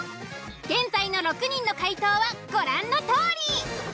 現在の６人の回答はご覧のとおり。